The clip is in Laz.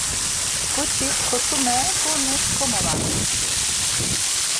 Ǩoçik kotume furnis komolot̆ǩoçu.